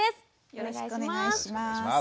よろしくお願いします。